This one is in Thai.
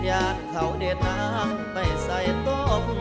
ญาติเขาได้น้ำไปใส่ต้ม